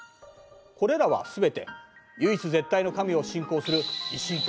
これらはすべて唯一絶対の神を信仰する一神教だ。